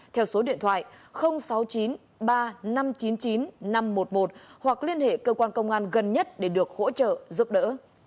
theo số điện thoại sáu chín ba năm chín chín năm một một hoặc liên hệ cơ quan công an gần nhất để được hỗ trợ giúp đỡ